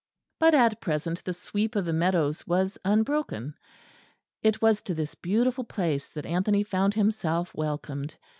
But at present the sweep of the meadows was unbroken. It was to this beautiful place that Anthony found himself welcomed.